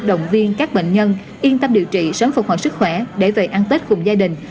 động viên các bệnh nhân yên tâm điều trị sớm phục hồi sức khỏe để về ăn tết cùng gia đình